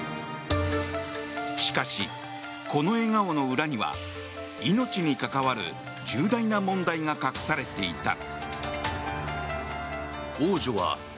しかし、この笑顔の裏には命に関わる重大な問題が隠されていた。